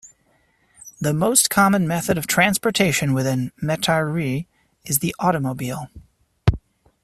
The most common method of transportation within Metairie is the automobile.